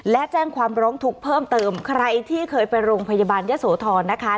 และแจ้งความร้องทุกข์เพิ่มเติมใครที่เคยไปโรงพยาบาลยะโสธรนะคะ